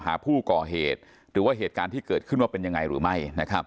หาผู้ก่อเหตุหรือว่าเหตุการณ์ที่เกิดขึ้นว่าเป็นยังไงหรือไม่